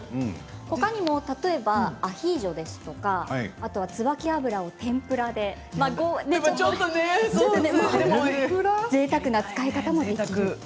他にもアヒージョですとか椿油を天ぷらでぜいたくな使い方もできます。